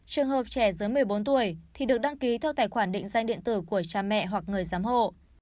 trường hợp trẻ dưới một mươi bốn tuổi thì được đăng ký theo tài khoản định danh điện tử của cha mẹ hoặc người giám hộ